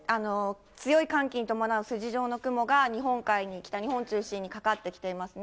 強い寒気に伴う筋状の雲が日本海に、北日本中心にかかってきてますね。